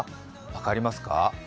分かりますか？